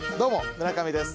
村上です。